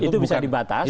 itu bisa dibatasi